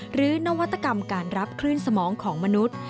นวัตกรรมการรับคลื่นสมองของมนุษย์